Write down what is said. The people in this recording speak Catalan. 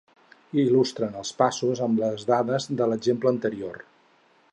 Il·lustrem els passos amb les dades de l'exemple anterior.